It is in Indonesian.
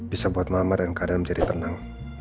bisa buat mama dan keadaan menjadi tenang